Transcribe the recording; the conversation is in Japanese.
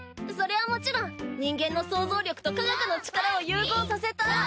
それはもちろん人間の想像力と科学の力を融合させた。